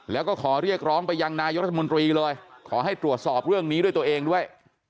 แล้วก็ขอเรียกร้องไปยังนายกรัฐมนตรีเลยขอให้ตรวจสอบเรื่องนี้ด้วยตัวเองด้วย